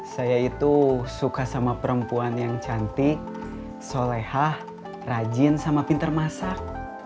saya itu suka sama perempuan yang cantik solehah rajin sama pinter masak